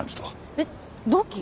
えっ同期！？